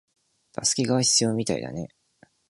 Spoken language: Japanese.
助けが必要みたいだね